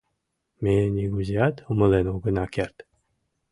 Ме нигузеат умылен огына керт...